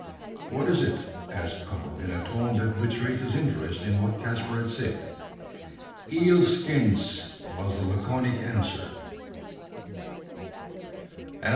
"What is it?" asked Karl, in a tone that betrayed his interest in what Caspar had said. "Eel skins!" was the laconic answer.